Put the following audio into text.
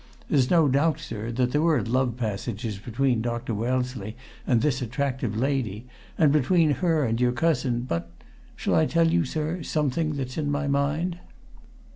There's no doubt, sir, that there were love passages between Dr. Wellesley and this attractive lady and between her and your cousin, but shall I tell you, sir, something that's in my mind?"